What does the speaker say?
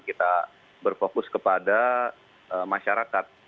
kita berfokus kepada masyarakat